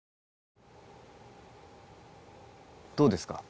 どうですか？